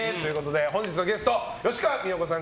本日のゲスト、吉川美代子さん